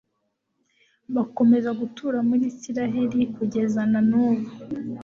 bakomeza gutura muri israheli kugeza na n'ubu